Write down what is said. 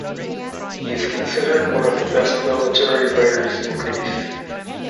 He is considered one of the best military writers in Greece.